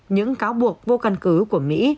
những cáo buộc vô căn cứ của mỹ